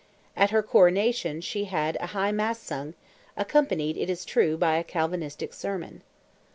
At her coronation she had a High Mass sung, accompanied, it is true, by a Calvinistic sermon.